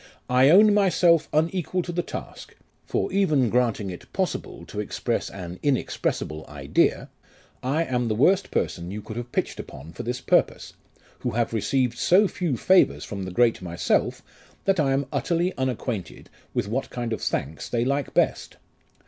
I own myself unequal to the task ; for even granting it possible to express an inexpressible idea, I am the worst person you could have pitched upon for this purpose, who have received so few favours from the great myself, that I am utterly unacquainted with what kind of thanks they like best.